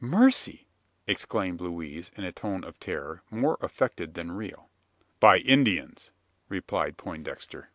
"Mercy!" exclaimed Louise, in a tone of terror, more affected than real. "By Indians," replied Poindexter.